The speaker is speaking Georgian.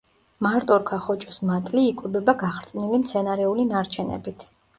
მარტორქა ხოჭოს მატლი იკვებება გახრწნილი მცენარეული ნარჩენებით.